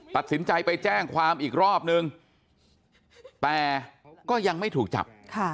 ตัดสินใจไปแจ้งความอีกรอบนึงแต่ก็ยังไม่ถูกจับ